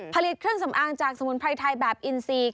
ผลิตเครื่องสำอางจากสมุนไพรไทยแบบอินซี